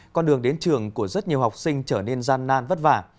con đường đến trường của rất nhiều học sinh trở nên gian nan vất vả